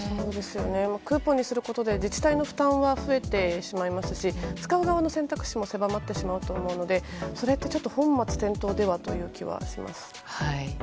クーポンにすることで自治体の負担は増えますし使う側の選択肢も狭まってしまうと思うのでそれって本末転倒ではという気がします。